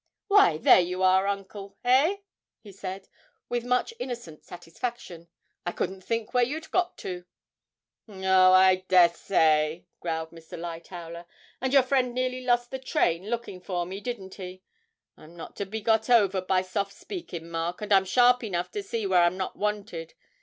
'Why, there you are, uncle eh?' he said, with much innocent satisfaction. 'I couldn't think where you'd got to.' 'Oh, I dessay,' growled Mr. Lightowler, 'and your friend nearly lost the train lookin' for me, didn't he? I'm not to be got over by soft speakin', Mark, and I'm sharp enough to see where I'm not wanted.